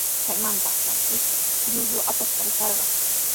Chay matraytraqmi ishkay llullu atuqta rikarqaa.